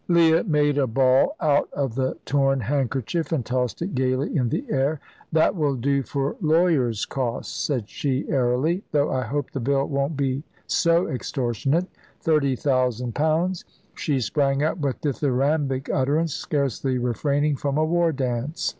Leah made a ball out of the torn handkerchief and tossed it gaily in the air. "That will do for lawyers' costs," said she, airily, "though I hope the bill won't be so extortionate. Thirty thousand pounds!" She sprang up, with dithyrambic utterance, scarcely refraining from a war dance.